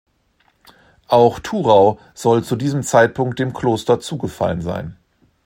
Auch Thurau soll zu diesem Zeitpunkt dem Kloster zugefallen sein.